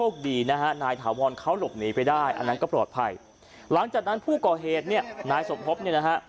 ก็ปลอดภัยหลังจากนั้นผู้ก่อเหตุเนี่ยนายสมทบเนี่ยนะฮะ